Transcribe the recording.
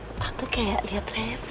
eh eh tante kayak liat reva